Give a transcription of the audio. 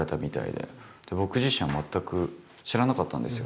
で僕自身は全く知らなかったんですよ。